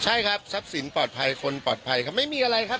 ใช่ครับทรัพย์สินปลอดภัยคนปลอดภัยครับไม่มีอะไรครับ